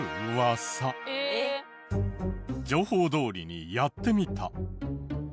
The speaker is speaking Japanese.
情報どおりにやってみた。